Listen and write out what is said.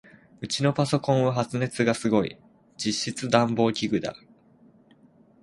ウチのパソコンは発熱がすごい。実質暖房器具だ。